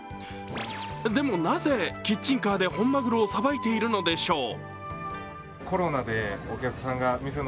でもなぜキッチンカーで本マグロをさばいているのでしょう？